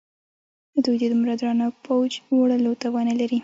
دوی د دومره درانه بوج وړلو توان نه لري.